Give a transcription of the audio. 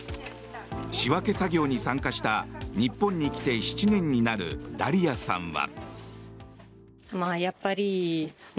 仕分け作業に参加した日本に来て７年になるダリアさんは。